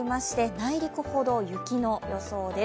内陸ほど雪の予想です。